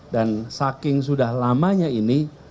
dan saking sudah lamanya ini